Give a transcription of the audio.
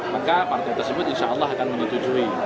maka partai tersebut insya allah akan menyetujui